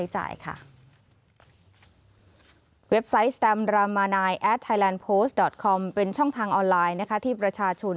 เห้ยไทยโปสดอทคอมเป็นช่องทางออนไลน์นะฮะที่ประชาชน